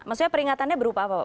maksudnya peringatannya berupa apa